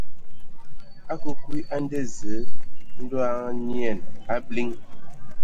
A kǝǝ kwi a nda Zǝǝ ndɔ a anyian a biliŋ.